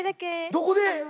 どこで？